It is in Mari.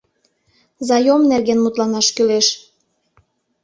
Заём нерген мутланаш кӱлеш.